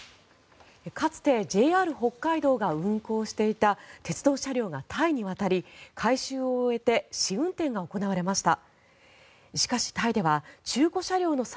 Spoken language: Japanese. かつてＪＲ北海道が運行していた鉄道車両がタイに渡り改修を終えて試運転が行われました。